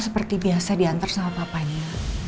seperti biasa diantar sama papanya